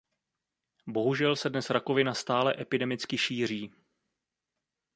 Bohužel se dnes rakovina stále epidemicky šíří.